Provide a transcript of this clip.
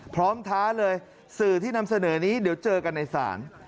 ท้าเลยสื่อที่นำเสนอนี้เดี๋ยวเจอกันในศาล